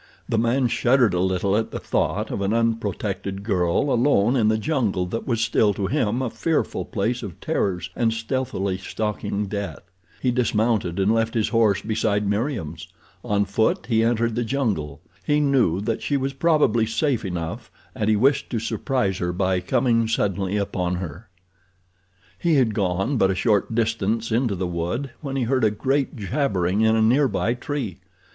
The man shuddered a little at the thought of an unprotected girl alone in the jungle that was still, to him, a fearful place of terrors and stealthily stalking death. He dismounted and left his horse beside Meriem's. On foot he entered the jungle. He knew that she was probably safe enough and he wished to surprise her by coming suddenly upon her. He had gone but a short distance into the wood when he heard a great jabbering in a near by tree.